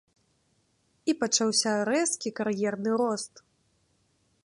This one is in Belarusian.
І пачаўся рэзкі кар'ерны рост.